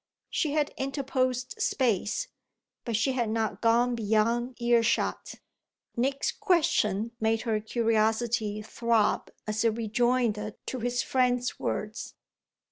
She had interposed space, but she had not gone beyond ear shot. Nick's question made her curiosity throb as a rejoinder to his friend's words.